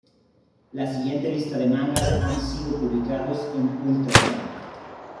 La siguiente lista de mangas han sido publicados en Ultra Jump.